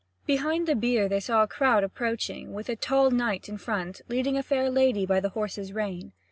Behind the bier they saw a crowd approaching, with a tall knight in front, leading a fair lady by the horse's rein.